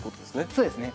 そうですね。